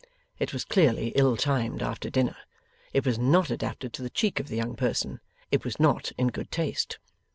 It was clearly ill timed after dinner. It was not adapted to the cheek of the young person. It was not in good taste.